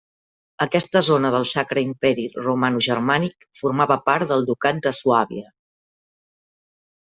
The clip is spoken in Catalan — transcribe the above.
Aquesta zona del Sacre Imperi Romanogermànic, formava part del Ducat de Suàbia.